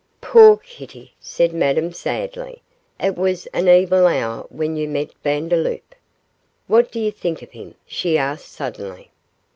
'Poor Kitty,' said Madame, sadly, 'it was an evil hour when you met Vandeloup. What do you think of him?' she asked, suddenly.